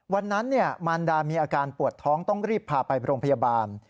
วันนั้นมารดามีอาการปวดท้องต้องรีบพาไปโรงพยาบาล